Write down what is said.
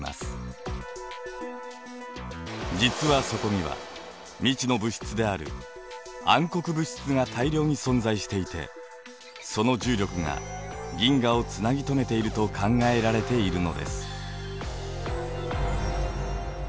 実はそこには未知の物質である暗黒物質が大量に存在していてその重力が銀河をつなぎ止めていると考えられているのです。